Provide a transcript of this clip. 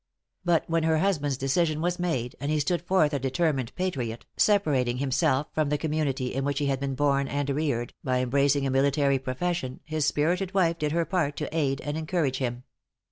But when her husband's decision was made, and he stood forth a determined patriot, separating himself from the community in which he had been born and reared, by embracing a military profession, his spirited wife did her part to aid and encourage him.